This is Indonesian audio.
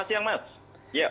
selamat siang pak